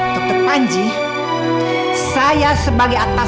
dokter panji saya sebagai atasan